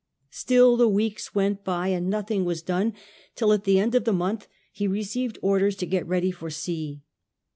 Still the weeks went by, and nothing was done till, at the end of the month, he received orders to get ready for sea.